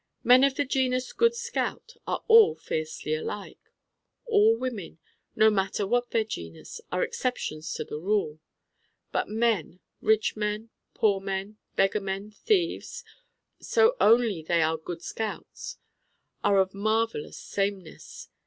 Men of the genus Good Scout are all fiercely alike. All women, no matter what their genus, are exceptions to the rule. But men rich men, poor men, beggar men, thieves: so only they are Good Scouts are of marvelous sameness.